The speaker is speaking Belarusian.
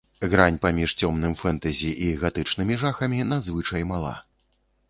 Грань паміж цёмным фэнтэзі і гатычнымі жахамі надзвычай мала.